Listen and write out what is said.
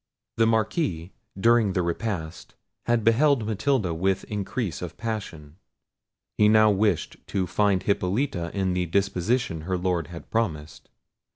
The Marquis, during the repast, had beheld Matilda with increase of passion. He now wished to find Hippolita in the disposition her Lord had promised.